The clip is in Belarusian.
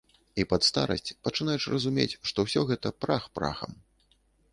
І пад старасць пачынаеш разумець, што ўсё гэта прах прахам.